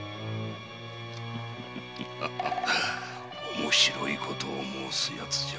面白いことを申すやつじゃ。